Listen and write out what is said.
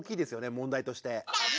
問題として。